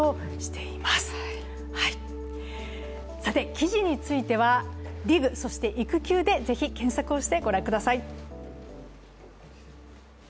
記事については「ＤＩＧ育休」でぜひ検索してご覧ください。